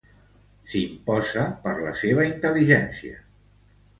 S'imposa per la seva intel·ligència.